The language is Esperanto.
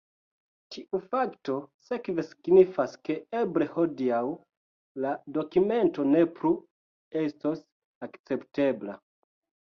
Tiu fakto sekve signifas ke eble hodiaŭ la dokumento ne plu estos akceptebla.